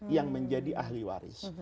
yang menjadi ahli waris